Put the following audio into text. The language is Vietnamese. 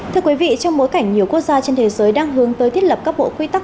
trong bối cảnh nhiều quốc gia trên thế giới đang hướng tới thiết lập các bộ quy tắc